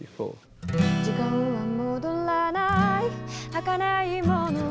「時間は戻らない儚いもの」